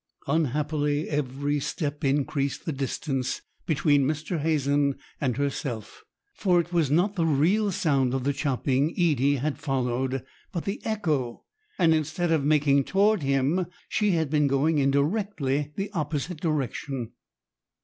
Unhappily every step increased the distance between Mr. Hazen and herself; for it was not the real sound of the chopping Edie had followed but the echo, and instead of making toward him, she had been going in directly the opposite direction.